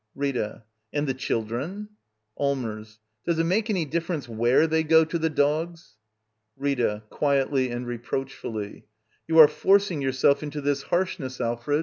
Rita. And the children? Allmers. Does it make any difference where they go to the dogs? Rita. [Quietly and reproachfully.] You are forcing yourself into this harshness, Alfred.